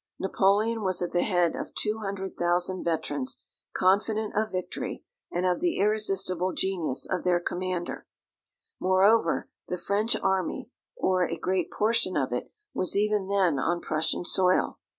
Napoleon was at the head of 200,000 veterans confident of victory, and of the irresistible genius of their commander. Moreover, the French army, or a great portion of it, was even then on Prussian soil.